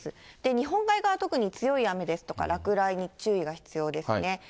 日本海側、特に強い雨ですとか、落雷に注意が必要ですね。